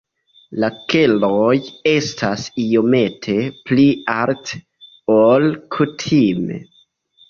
La keloj estas iomete pli alte, ol kutime.